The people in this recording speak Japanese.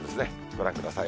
ご覧ください。